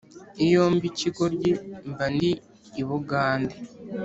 iyo mba ikigoryi mba ndi i bugande